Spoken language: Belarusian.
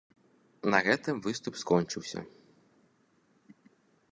На гэтым выступ скончыўся.